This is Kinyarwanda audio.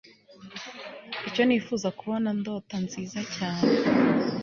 icyo nifuza kubona ndota nziza cyane